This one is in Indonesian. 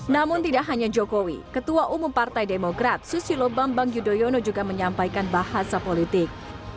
namun tidak hanya jokowi ketua umum partai demokrat susilo bambang yudhoyono juga menyampaikan bahasa politik